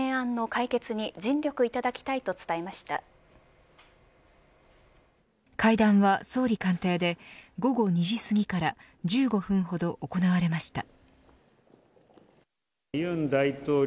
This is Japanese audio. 会談は総理官邸で午後２時すぎから１５分ほど行われました。